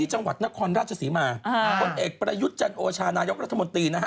จังหวัดนครราชศรีมาคนเอกประยุทธ์จันโอชานายกรัฐมนตรีนะฮะ